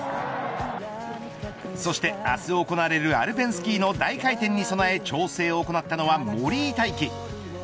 そして、明日行われるアルペンスキーの大回転に備え調整を行ったのは森井大輝。